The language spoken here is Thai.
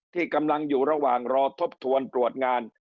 ที่กำลังอยู่ระหว่างรอทบทวนตรวจงาน